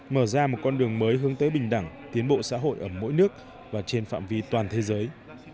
mở ra một con đường mới hướng tới bình đẳng tiến bộ xã hội ở mỗi nước và trên phạm vi toàn thế giới